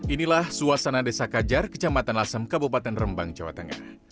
inilah suasana desa kajar kecamatan lasem kabupaten rembang jawa tengah